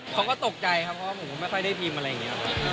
เขาก็ตกใจครับเพราะว่าผมก็ไม่ค่อยได้พิมพ์อะไรอย่างนี้